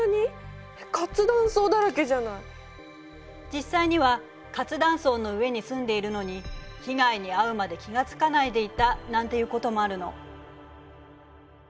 実際には活断層の上に住んでいるのに被害に遭うまで気が付かないでいたなんていうこともあるの。